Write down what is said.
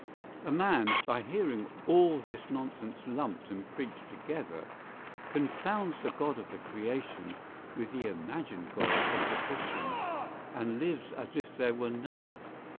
A man, by hearing all this nonsense lumped and preached together, confounds the God of the Creation with the imagined God of the Christians, and lives as if there were none.